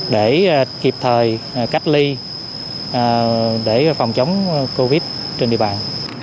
để kịp thời cách ly để phòng chống covid trên địa bàn